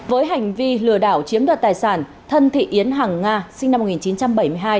với hành vi lừa đảo chiếm đoạt tài sản thân thị yến hàng nga sinh năm một nghìn chín trăm bảy mươi hai